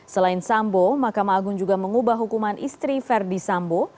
selain sambo mahkamah agung juga mengubah hukuman istri verdi sambo